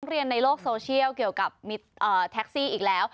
เรียนในโลกโซเชียลเกี่ยวกับแท็กซี่อีกแล้ว